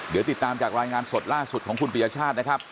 เดี๋ยวติดตามจากรายงานสดล่าสุดของคุณปียชาตินะครับ